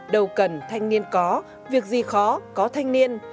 đầu cần thanh niên có việc gì khó có thanh niên